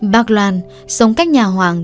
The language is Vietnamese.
bác loan sống cách nhà hoàng